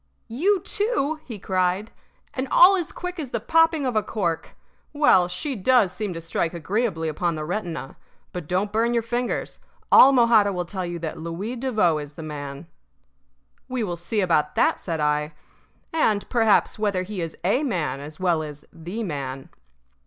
"You too!" he cried. "And all as quick as the popping of a cork. Well, she does seem to strike agreeably upon the retina. But don't burn your fingers. All Mojada will tell you that Louis Devoe is the man. "We will see about that," said I. "And, perhaps, whether he is a man as well as the man."